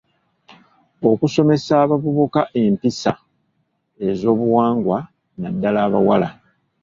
Okusomesa abavubuka empisa ez'obuwangwa, naddala abawala.